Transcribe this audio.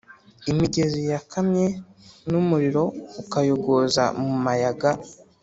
imigezi yakamye n’umuriro ukayogoza mu mayaga